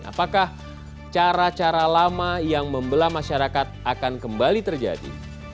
apakah cara cara lama yang membelah masyarakat akan kembali terjadi